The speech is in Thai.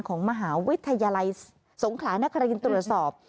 ของมหาวิทยาลัยสงขลานครินตรวจสอบ